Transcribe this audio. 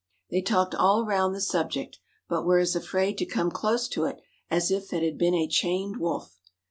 They talked all round the subject, but were as afraid to come close to it as if it had been a chained wolf.